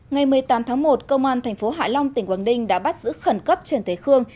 ngày một mươi tám tháng một công an tp hạ long tỉnh quảng ninh đã bắt giữ khẩn cấp trần thế khương